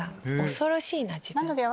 恐ろしいな自分。